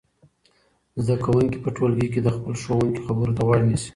زده کوونکي په ټولګي کې د خپل ښوونکي خبرو ته غوږ نیسي.